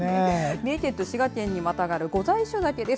三重県と滋賀県にまだがる御在所岳です。